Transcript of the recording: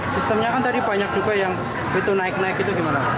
sistemnya kan tadi banyak juga yang itu naik naik itu gimana